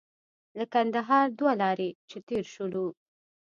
له کندهار دوه لارې چې تېر شولو.